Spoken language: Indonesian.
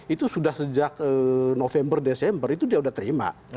itu sudah sejak november desember itu dia sudah terima